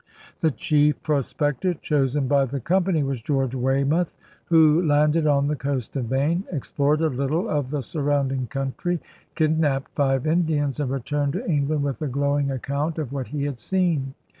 The chief prospector chosen by the company was George Weymouth, who landed on the coast of Maine, explored a little of the surrounding country, kid napped five Indians, and returned to England with a glowing account of what he had seen.